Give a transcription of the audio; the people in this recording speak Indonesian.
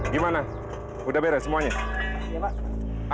dih tedu yang mulai sarang hard bible